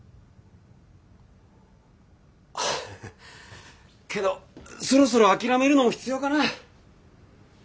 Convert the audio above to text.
ハハけどそろそろ諦めるのも必要かな。え？